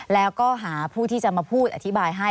แล้วก็หาผู้ที่จะมาพูดอธิบายให้